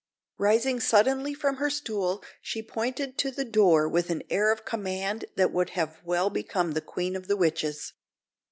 Rising suddenly from her stool, she pointed to the door with an air of command that would have well become the queen of the witches.